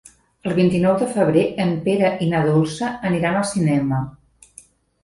El vint-i-nou de febrer en Pere i na Dolça aniran al cinema.